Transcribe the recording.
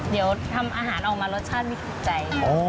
เดี๋ยวทำอาหารออกมารสชาติไม่ถูกใจ